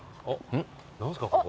何すかここ。